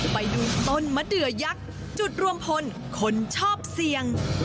ไปดูต้นมะเดือยักษ์จุดรวมพลคนชอบเสี่ยง